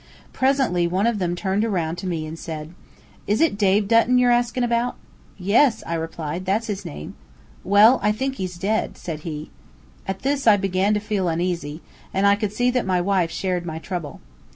Presently, one of them turned around to me and said: "Is it Dave Dutton ye're askin' about?" "Yes," I replied, "that's his name." "Well, I think he's dead," said he. At this, I began to feel uneasy, and I could see that my wife shared my trouble.